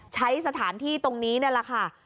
ใช้สถานที่ตรงนี้นี่แหละค่ะ